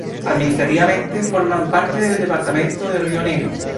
Administrativamente forman parte del departamento de Río Negro.